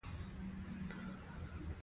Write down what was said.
افغانستان د فاریاب لپاره مشهور دی.